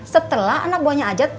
setelah anak buahnya ajat